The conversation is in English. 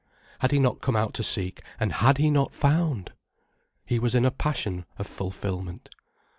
Had he not come out to seek, and had he not found! He was in a passion of fulfilment.